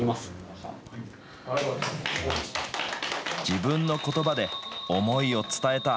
自分のことばで思いを伝えた。